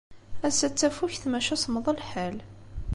Ass-a d tafukt, maca semmeḍ lḥal.